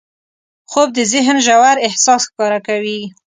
خوب د ذهن ژور احساس ښکاره کوي